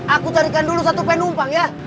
aku carikan dulu satu penumpang ya